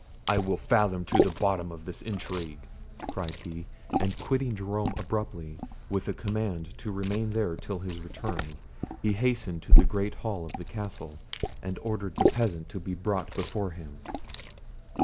"I will fathom to the bottom of this intrigue," cried he; and quitting Jerome abruptly, with a command to remain there till his return, he hastened to the great hall of the castle, and ordered the peasant to be brought before him.